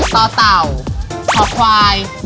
ต่อเต่าห่อควาย